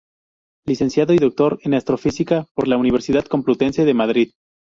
Licenciado y doctor en astrofísica por la Universidad Complutense de Madrid.